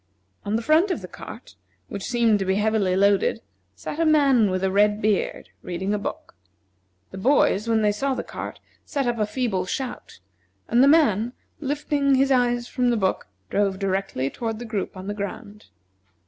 On the front of the cart, which seemed to be heavily loaded, sat a man, with a red beard, reading a book. The boys, when they saw the cart, set up a feeble shout, and the man, lifting his eyes from his book, drove directly toward the group on the ground.